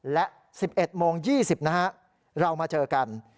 และ๑๑โมง๒๐นะฮะเรามาเจอกัน